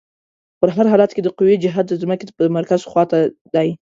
په هر حالت کې د قوې جهت د ځمکې د مرکز خواته دی.